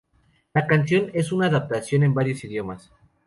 La canción es una adaptación en varios idiomas.